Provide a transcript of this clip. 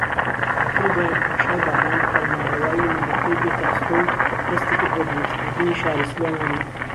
دواتر ئیبراھیم پاشای بابان فەرمانڕەوایی ئیمارەتەکەی گرتە ئەستۆ و دەستیکرد بە دروستکردنی شاری سلێمانی